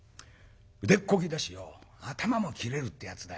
腕っこきだしよ頭も切れるってやつだよ。